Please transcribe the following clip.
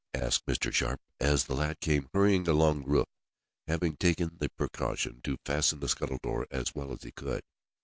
asked Mr. Sharp, as the lad came hurrying along the roof, having taken the precaution to fasten the scuttle door as well as he could.